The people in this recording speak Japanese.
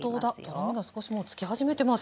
とろみが少しもうつき始めてます。